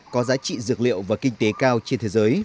có giá trị dược liệu và kinh tế cao trên thế giới